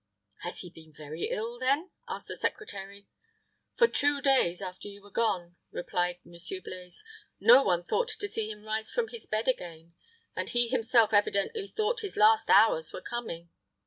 "Has he been very ill, then?" asked the secretary. "For two days after you were gone," replied Monsieur Blaize, "no one thought to see him rise from his bed again; and he himself evidently thought his last hours were coming.